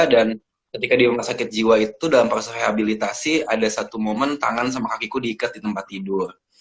dan ketika di rumah sakit jiwa itu dalam proses rehabilitasi ada satu momen tangan sama kakiku diikat di tempat tidur